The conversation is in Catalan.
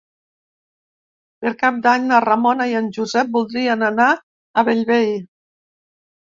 Per Cap d'Any na Ramona i en Josep voldrien anar a Bellvei.